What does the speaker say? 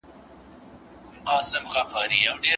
سوریې هم په جګړه کې ډېر زیان ولید.